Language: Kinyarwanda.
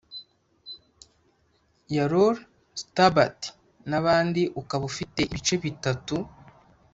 Yarol Stubert n’abandi ukaba ufite ibice bitatu